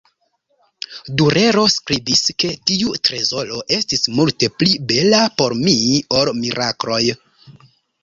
Durero skribis, ke tiu trezoro "estis multe pli bela por mi ol mirakloj.